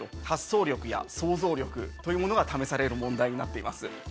発想力や想像力というものが試される問題になっています。